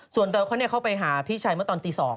ส่วนตัวเขาเข้าไปหาพี่ชายเมื่อตอนตี๒